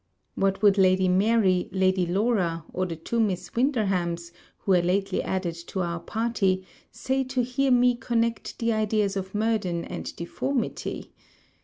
What would Lady Mary, Lady Laura, or the two Miss Winderhams, who are lately added to our party, say to hear me connect the ideas of Murden and deformity?